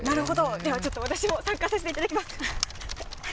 ではちょっと、私も参加させていただきます。